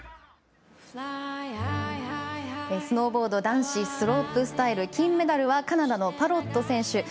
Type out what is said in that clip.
スノーボード男子スロープスタイル金メダルはカナダのパロット選手。